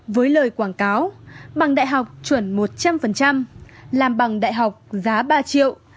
với lời quảng cáo bằng đại học chuẩn một trăm linh làm bằng đại học giá ba triệu